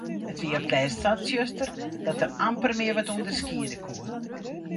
It wie op 't lêst sa tsjuster dat er amper mear wat ûnderskiede koe.